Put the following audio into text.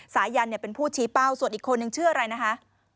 สายันเป็นผู้ชี้เป้าส่วนอีกคนนึงชื่ออะไรนะคะ